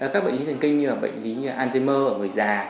các bệnh lý thần kinh như là bệnh lý alzheimer ở người già